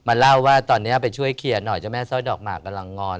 เล่าว่าตอนนี้ไปช่วยเคลียร์หน่อยเจ้าแม่สร้อยดอกหมากกำลังงอน